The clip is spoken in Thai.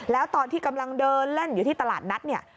แล้วตอนที่กำลังเดินเล่นอยู่ที่ตลาดนัดเนี่ย